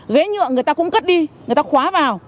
ghế nhựa người ta cũng cất đi người ta khóa vào